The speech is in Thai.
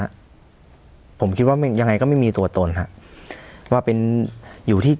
ผมคิดว่ายังไงก็ไม่มีตัวตนฮะว่าเป็นอยู่ที่